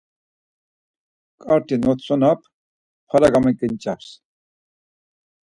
Karti notsonam, para gamaginç̌ams.